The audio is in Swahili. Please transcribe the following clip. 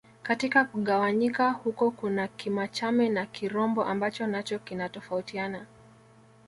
Katika kugawanyika huko kuna Kimachame na Kirombo ambacho nacho kinatofautiana